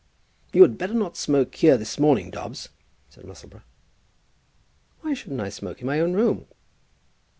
"You had better not smoke here this morning, Dobbs," said Musselboro. "Why shouldn't I smoke in my own room?"